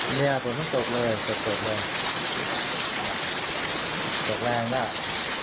ไม่ไหวจริงจากเดือดร้อนมาก